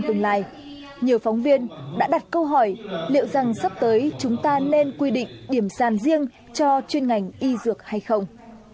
nhiều phóng viên đã đặt câu hỏi liệu rằng sắp tới chúng ta nên quy định điểm sàn riêng cho chuyên ngành y dược hay không